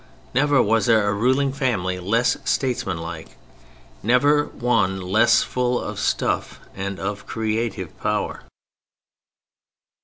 Never was there a ruling family less statesmanlike; never one less full of stuff and of creative power.